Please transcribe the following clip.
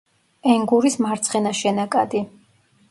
ენგურის მარცხენა შენაკადი.